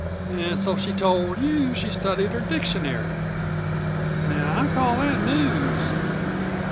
An' so she told you she'd studied her dictionary! Now, I'd call that news.